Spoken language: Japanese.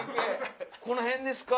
この辺ですか？